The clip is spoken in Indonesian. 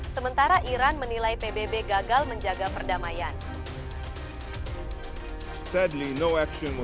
sementara iran menilai pbb gagal menjaga perdamaian